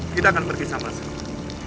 kita akan pergi sama sekali